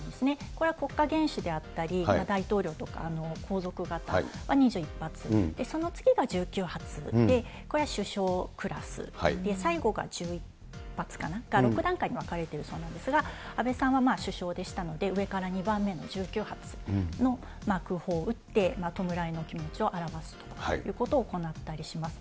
これは国家元首であったり、大統領とか皇族方は２１発、その次が１９発で、これは首相クラス、最後が１０発かな、６段階に分かれているそうなんですが、安倍さんは首相でしたので、上から２番目の１９発の空砲を打って、弔いの気持ちを表すということを行ったりします。